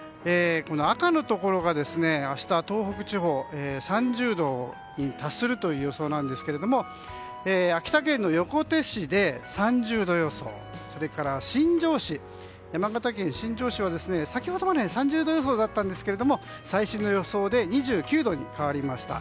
赤のところが明日、東北地方３０度に達するという予想なんですけども秋田県の横手市で３０度予想山形県新庄市は先ほどまで３０度予想だったんですけど最新の予想で２９度に変わりました。